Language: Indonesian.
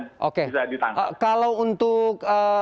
bisa ditangkap kalau untuk